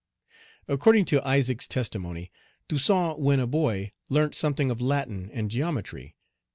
According to Isaac's testimony, Toussaint when a boy learnt something of Latin and geometry (p.